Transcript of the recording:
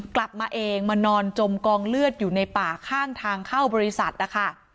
กลับมาเองมานอนจมกองเลือดอยู่ในป่าข้างทางเข้าบริษัทนะคะ